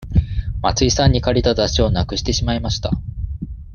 松井さんに借りた雑誌をなくしてしまいました。